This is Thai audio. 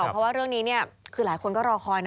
เพราะว่าเรื่องนี้คือหลายคนก็รอคอยนะ